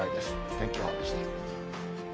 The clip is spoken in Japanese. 天気予報でした。